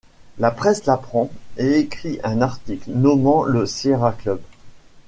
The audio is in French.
La presse l'apprend et écrit un article nommant le Sierra Club.